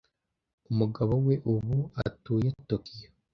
Umugabo we ubu atuye Tokiyo.